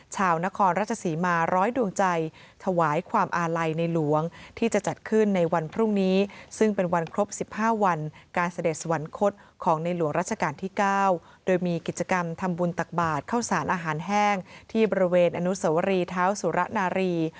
จะมีกิจกรรมทำบุญตักบาทเข้าสารอาหารแห้งที่บริเวณอนุสวรีเท้าสุรณารีย์